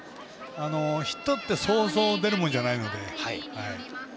ヒットってそうそう出るものじゃないので。